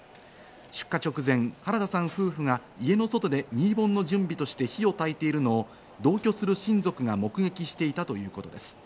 出火直前、原田さん夫婦が家の外で新盆の準備として火をたいているのを同居する親族が目撃していたということです。